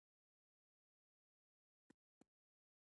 موټرو را کښته شول او راغلل، فرید هم له موټره را کښته شو.